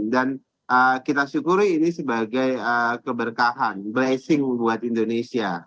dan kita syukuri ini sebagai keberkahan blessing buat indonesia